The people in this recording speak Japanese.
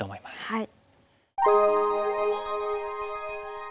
はい。